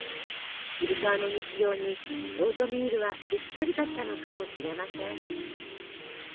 渋沢の日常にオートミールはぴったりだったのかもしれません。